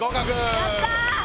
やった！